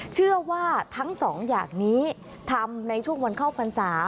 เชื่อว่าทั้งสองอย่างนี้ทำในช่วงวันเข้าพรรษา